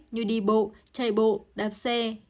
như đi bộ chạy bộ đạp xe